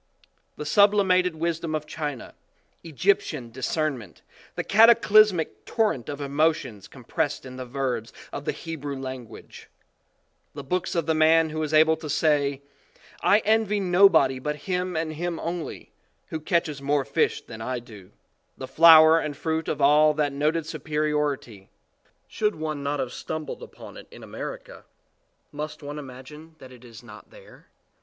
The sublimated wisdom of China, Egyptian discernment, the cataclysmic torrent of emotion compressed in the verbs of the Hebrew language, the books of the man who is able to say, "I envy nobody but him and him only, who catches more fish than I do," the flower and fruit of all that noted superi ority should one not have stumbled upon it in America, must one imagine that it is not there?